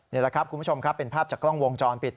นี่แหละครับคุณผู้ชมครับเป็นภาพจากกล้องวงจรปิด